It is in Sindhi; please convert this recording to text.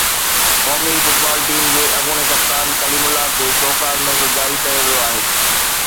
قومي فٽبال ٽيم جي اڳوڻي ڪپتان ڪليم الله کي شوڪاز نوٽيس جاري ڪيو ويو آهي